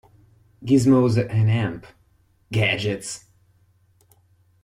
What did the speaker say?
Gizmos and amp; Gadgets!